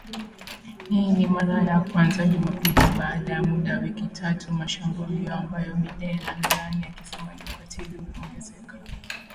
Hii ni kwa mara ya kwanza Jumapili baada ya muda wa wiki tatu, mashambulio ambayo Biden amelaani akisema "ni ukatili unaoongezeka".